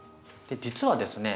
実はですね